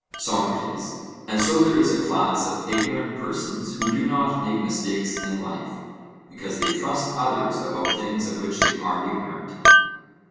SOCRATES: And so there is a class of ignorant persons who do not make mistakes in life, because they trust others about things of which they are ignorant?